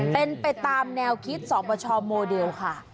เป็นไปตามแนวคิดสปชโมเดลค่ะ